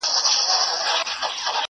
بيزو وان سو په چغارو په نارو سو٫